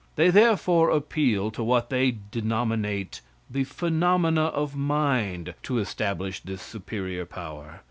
They therefore appeal to what they denominate the phenomena of mind to establish this superior power.